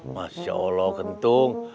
masya allah kentung